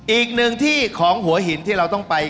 อีกหนึ่งที่ของหัวหินที่เราต้องไป